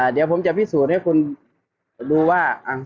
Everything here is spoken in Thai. เดี๋ยวผมจะพิสูจน์ให้คุณรู้ว่า